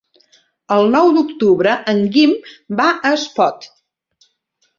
El nou d'octubre en Guim va a Espot.